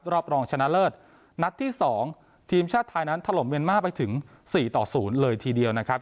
รอบรองชนะเลิศนัดที่๒ทีมชาติไทยนั้นถล่มเมียนมาร์ไปถึง๔ต่อ๐เลยทีเดียวนะครับ